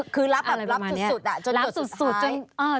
คือรับสุดจนจดสุดท้าย